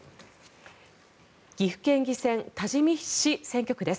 岐阜県議選多治見市選挙区です。